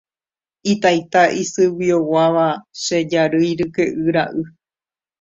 Itaita isyguioguáva che jarýi ryke'y ra'y.